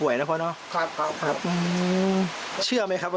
อยากฝากอะไรถึงลูกไหมครับพ่อ